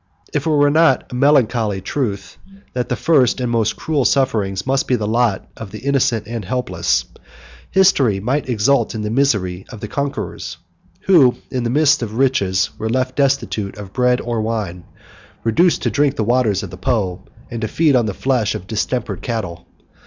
If it were not a melancholy truth, that the first and most cruel sufferings must be the lot of the innocent and helpless, history might exult in the misery of the conquerors, who, in the midst of riches, were left destitute of bread or wine, reduced to drink the waters of the Po, and to feed on the flesh of distempered cattle.